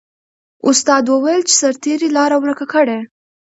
استاد وویل چې سرتیري لاره ورکه کړه.